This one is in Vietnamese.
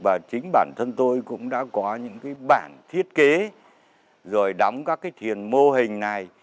và chính bản thân tôi cũng đã có những cái bản thiết kế rồi đóng các cái thiền mô hình này